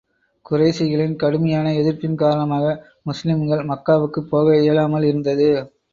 குறைஷிகளின் கடுமையான எதிர்ப்பின் காரணமாக, முஸ்லிம்கள் மக்காவுக்குப் போக இயலாமல் இருந்தது.